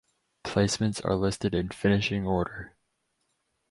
Placements are listed in finishing order.